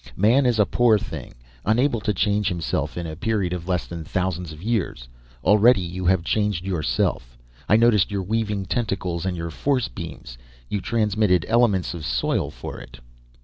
"Man is a poor thing, unable to change himself in a period of less than thousands of years. Already you have changed yourself. I noticed your weaving tentacles, and your force beams. You transmuted elements of soil for it?"